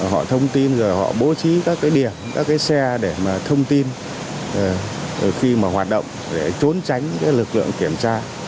họ thông tin rồi họ bố trí các cái điểm các cái xe để mà thông tin khi mà hoạt động để trốn tránh cái lực lượng kiểm tra